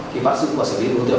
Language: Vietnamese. khi bắt giữ và xử lý lưu tiệm